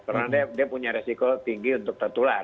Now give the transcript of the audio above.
karena dia punya resiko tinggi untuk tertular